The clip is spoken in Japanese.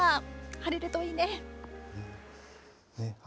晴れるといいね。